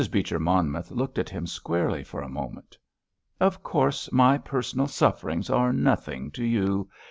Beecher Monmouth looked at him squarely for a moment. "Of course, my personal sufferings are nothing to you!